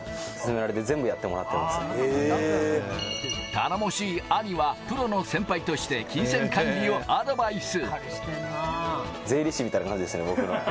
頼もしい兄はプロの先輩として金銭管理をアドバイス。